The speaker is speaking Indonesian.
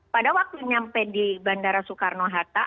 pada waktu nyampe di bandara soekarno hatta